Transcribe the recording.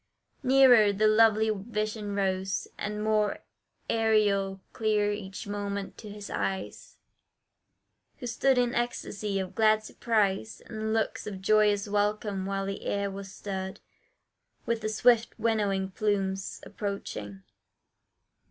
Nearer the lovely vision rose, and more Aerial clear each moment to his eyes, Who stood in ecstacy of glad surprise, And looks of joyous welcome, while the air was stirred With the swift winnowing plumes approaching.